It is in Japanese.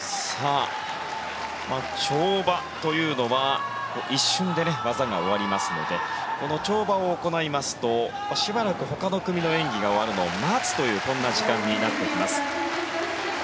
跳馬というのは一瞬で技が終わりますのでこの跳馬を行いますとしばらくほかの組の演技が終わるのを待つというそんな時間になってきます。